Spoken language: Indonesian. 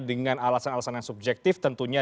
dengan alasan alasan yang subjektif tentunya